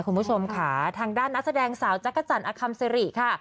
คุณผู้ชมค่ะทางด้านนักแสดงสาวจักรจันทร์อคัมซิริค่ะ